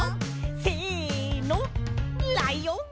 せのライオン！